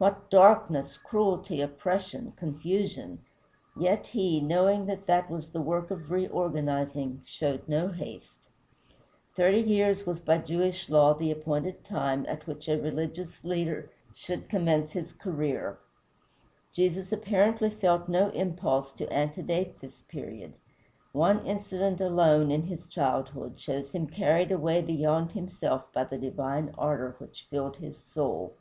What darkness, cruelty, oppression, confusion! Yet he, knowing that that was the work of reorganizing, showed no haste. Thirty years was by Jewish law the appointed time at which a religious teacher should commence his career. Jesus apparently felt no impulse to antedate this period; one incident alone, in his childhood, shows him carried away beyond himself by the divine ardor which filled his soul.